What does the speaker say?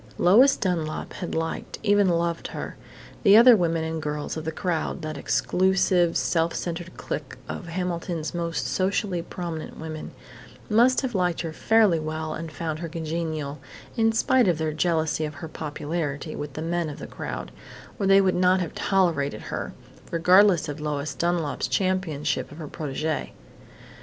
Lois Dunlap had liked, even loved her. The other women and girls of "the crowd" that exclusive, self centered clique of Hamilton's most socially prominent women must have liked her fairly well and found her congenial, in spite of their jealousy of her popularity with the men of the crowd, or they would not have tolerated her, regardless of Lois Dunlap's championship of her protegée.